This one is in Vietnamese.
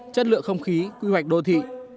chất lượng không khí quy hoạch đô thị